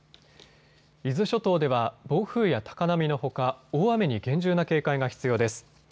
伊豆諸島では暴風や高波のほか大雨に厳重な警戒が必要です。